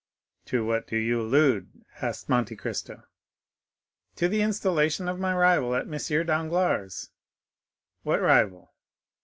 '" "To what do you allude?" asked Monte Cristo. "To the installation of my rival at M. Danglars'." "What rival?"